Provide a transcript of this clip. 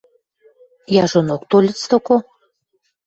– Яжонок тольыц доко...